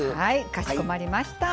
かしこまりました。